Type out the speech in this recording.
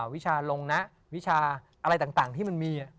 วิชาลงนะวิชาอะไรต่างที่มันมี